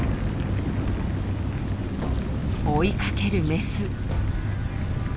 追いかけるメス。